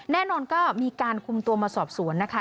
แน่นอนก็มีการคุมตัวมาสอบสวนนะคะ